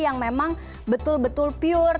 yang memang betul betul pure